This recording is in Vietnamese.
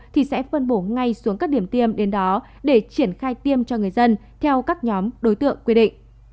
thì sẽ phân bổ ngay xuống các điểm tiêm đến đó để triển khai tiêm cho người dân theo các nhóm đối tượng quy định